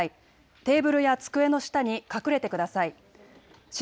テーブルや机の下に隠れてください。